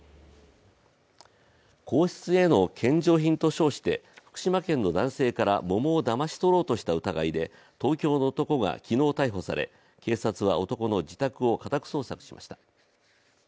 皇室への献上品と称して福島県の男性から桃をだまし取ろうとした疑いで東京の男が昨日逮捕され警察は男の自宅を家宅捜索しました。